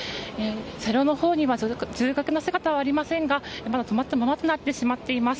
車両のほうには乗客の姿はありませんがまだ止まったままとなってしまっています。